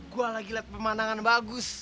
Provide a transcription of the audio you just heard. gue lagi lihat pemandangan bagus